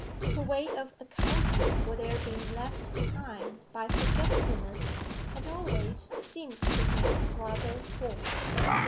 Her way of accounting for their being left behind by forgetfulness had always seemed to him rather forced.